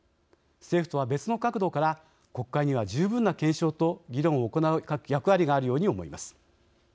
政府とは別の角度から、国会には十分な検証と議論を行う役割があるように思います。